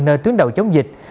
nơi tuyến đầu chống dịch